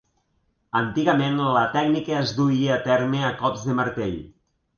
Antigament la tècnica es duia a terme a cops de martell.